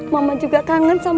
mama juga kangen sama